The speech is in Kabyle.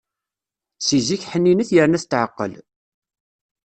Seg zik ḥninet yerna tetɛeqqel.